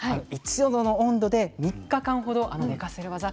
１度の温度で３日間ほど寝かせる技。